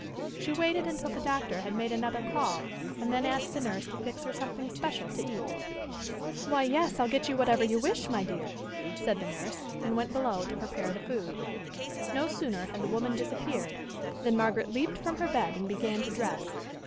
She waited until the doctor had made another call, and then asked the nurse to fix her something special to eat. "Why, yes, I'll get whatever you wish, my dear!" said the nurse, and went below to prepare the food. No sooner had the woman disappeared than Margaret leaped from her bed and began to dress.